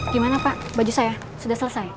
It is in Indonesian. gimana pak baju saya sudah selesai